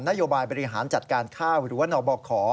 โยบายบริหารจัดการข้าวหรือว่านบข